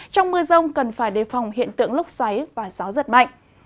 trong mưa rông cần phải đề phòng hiện tượng lúc xoáy và gió giật mạnh